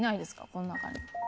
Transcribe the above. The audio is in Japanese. この中に。